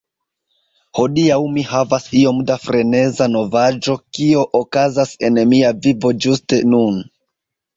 Hodiaŭ mi havas iom da freneza novaĵo kio okazas en mia vivo ĝuste nun.